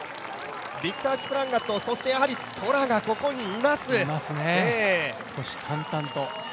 ビクター・キプランガト、そしてやはりトラがここにいます。